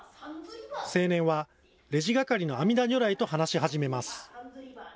青年はレジ係のあみだ如来と話し始めます。